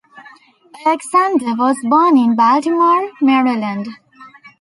Aleksander was born in Baltimore, Maryland.